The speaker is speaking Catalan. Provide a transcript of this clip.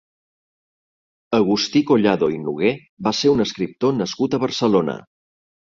Agustí Collado i Nogué va ser un escriptor nascut a Barcelona.